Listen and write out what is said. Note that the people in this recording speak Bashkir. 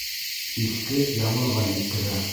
Иҫке яңыға еткерә.